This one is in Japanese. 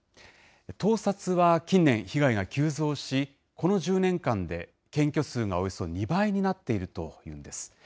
盗撮は近年、被害が急増し、この１０年間で検挙数がおよそ２倍になっているというんです。